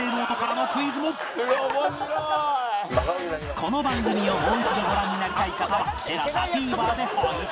この番組をもう一度ご覧になりたい方は ＴＥＬＡＳＡＴＶｅｒ で配信